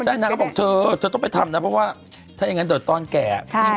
แล้วบอกเธอจะต้องไปทำนะเพราะว่าถ้าอย่างนั้นโดยตอนแก่อ่ะ